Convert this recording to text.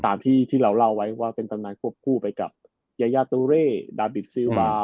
ตามที่เราเล่าไว้ว่าเป็นตำนานควบคู่ไปกับยายาตุเร่ดาบิตซีวา